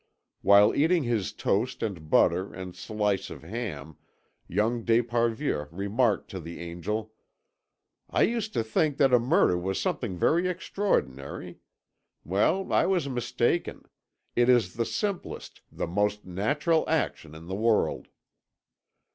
While eating his toast and butter and slice of ham, young d'Esparvieu remarked to the angel: "I used to think that a murder was something very extraordinary. Well, I was mistaken. It is the simplest, the most natural action in the world."